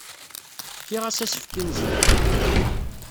Fkiɣ-as asefk i Meẓyan.